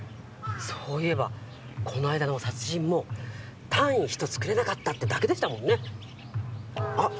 そういえばこの間の殺人も単位１つくれなかったってだけでしたもんねあっ！